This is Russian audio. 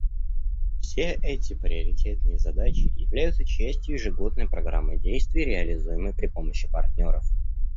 Все эти приоритетные задачи являются частью ежегодной программы действий, реализуемой при помощи партнеров.